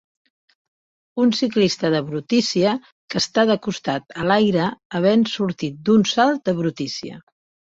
Un ciclista de brutícia que està de costat a l'aire havent sortit d'un salt de brutícia.